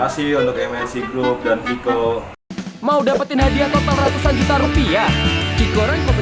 selamat tahun tahun mnc group ke tiga puluh dua